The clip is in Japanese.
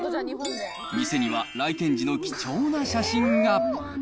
店には来店時の貴重な写真が。